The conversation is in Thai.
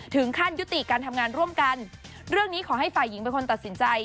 ถึงขั้นยุติการทำงานร่วมกันเรื่องนี้ขอให้ฝ่ายหญิงเป็นคนตัดสินใจ